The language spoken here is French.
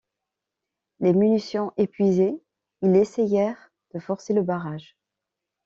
Les munitions épuisées, ils essayèrent de forcer le barrage.